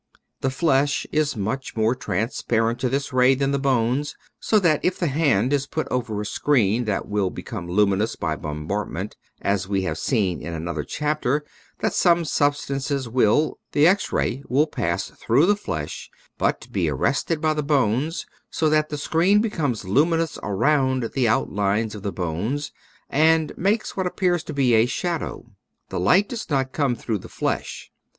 The flesh is much more transparent to this ray than the bones, so that if the hand is put over a screen that will be come luminous by bombardment — as we have seen in another chapter that some substances will — the X ray will pass through the flesh but be arrested by the bones, so that the screen becomes luminous around the outlines of the bones and makes what appears to be a shadow. The light does not come through the flesh.